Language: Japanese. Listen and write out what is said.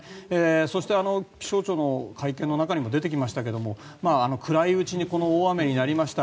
そして、気象庁の会見の中にも出てきましたが暗いうちに大雨になりました。